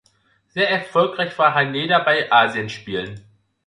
Sehr erfolgreich war Haneda bei Asienspielen.